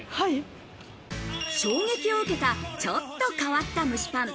衝撃を受けた、ちょっと変わった蒸しパン。